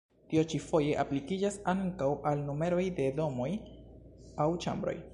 Tio ĉi foje aplikiĝas ankaŭ al numeroj de domoj aŭ ĉambroj.